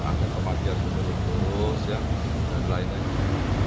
angka kematian sudah terus ya dan lain lain